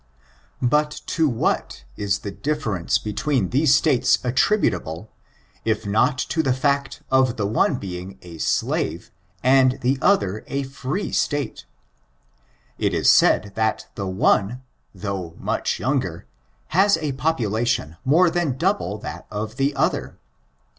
Bat to what is the difference between these States attributable, if not to the fact of the one being a slave^ and the other a free State ? It is said, that the one, though much younger, has a population more than double that of the other.